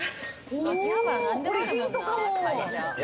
これヒントかも。